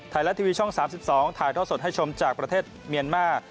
ไทยรัฐทีวีช่อง๓๒ถ่ายท่อสดให้ชมจากประเทศเมียนมาร์